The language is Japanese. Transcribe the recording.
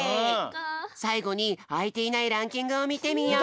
さいごにあいていないランキングをみてみよう！